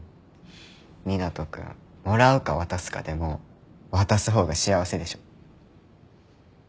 湊斗君もらうか渡すかでも渡す方が幸せでしょ。